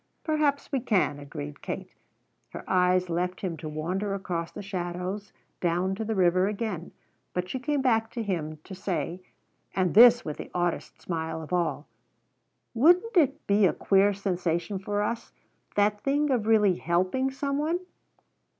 "Perhaps we can," agreed Kate. Her eyes left him to wander across the shadows down to the river again. But she came back to him to say, and this with the oddest smile of all, "Wouldn't it be a queer sensation for us? That thing of really 'helping' some one?"